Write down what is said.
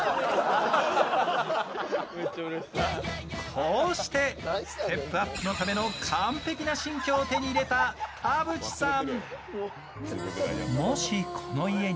こうしてステップアップのための完璧な新居を手に入れた田渕さん。